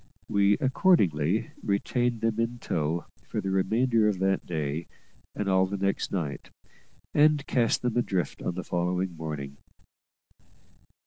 We accordingly retained them in tow for the remainder of that day and all next night, and cast them adrift on the following morning.